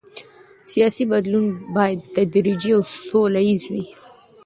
سیاسي بدلون باید تدریجي او سوله ییز وي